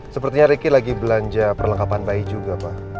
sepertinya ricky lagi belanja perlengkapan bayi juga pak